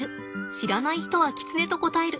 知らない人はキツネと答える。